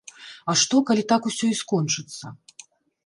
А што, калі так усё і скончыцца?